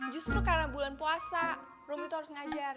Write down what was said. justru karena bulan puasa rumu itu harus ngajar